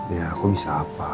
ya aku bisa apa